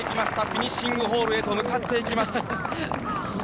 フィニッシングホールへと向かっていきます。